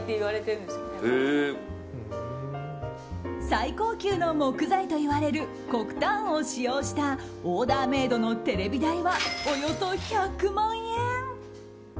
最高級の木材といわれるコクタンを使用したオーダーメイドのテレビ台はおよそ１００万円。